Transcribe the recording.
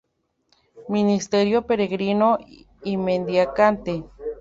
Ministerio peregrino y mendicante.